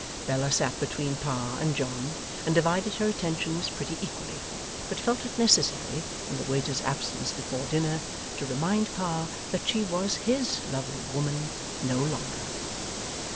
Bella sat between Pa and John, and divided her attentions pretty equally, but felt it necessary (in the waiter's absence before dinner) to remind Pa that she was HIS lovely woman no longer.